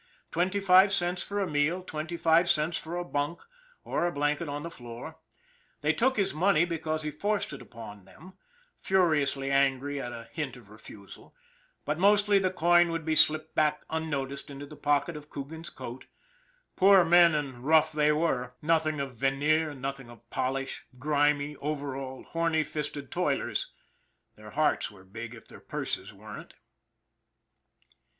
Twenty five cents for a meal, twenty five cents for a bunk, or a blanket on the floor. They took his money because he forced it upon them, furi ously angry at a hint of refusal; but mostly the coin would be slipped back unnoticed into the pocket of Coogan's coat poor men and rough they were, noth ing of veneer, nothing of polish, grimy, overalled, horny fisted toilers, their hearts were big if their purses weren't.